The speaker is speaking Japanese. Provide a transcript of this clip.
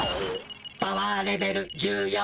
「パワーレベル１４」。